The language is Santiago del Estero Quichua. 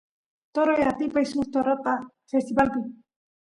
toroy atipay suk torota festivalpi